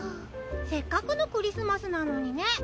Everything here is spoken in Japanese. せっかくのクリスマスなのにね。